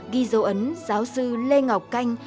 ghi dấu ấn giáo sư lê ngọc canh